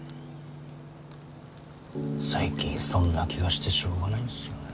最近そんな気がしてしょうがないんすよね。